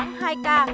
cần thơ hai ca